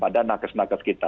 pada nakes nakes kita